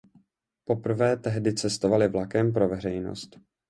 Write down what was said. Poprvé tehdy cestovali vlakem pro veřejnost.